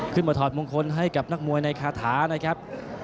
ถอดมงคลให้กับนักมวยในคาถานะครับ